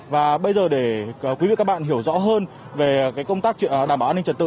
và bây giờ để quý vị và các bạn hiểu rõ hơn về công tác đảm bảo an ninh trật tự